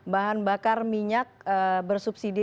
bahan bakar minyak bersubsidi